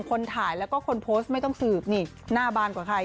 คนถ่ายแล้วก็คนโพสต์ไม่ต้องสืบนี่หน้าบานกว่าใคร